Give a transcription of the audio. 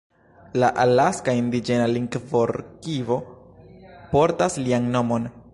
La Alaska Indiĝena Lingvorkivo portas lian nomon.